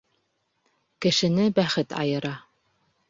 Кешене бәхет айыра.